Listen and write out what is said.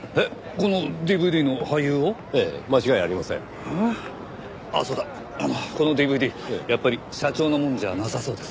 このＤＶＤやっぱり社長のものじゃなさそうです。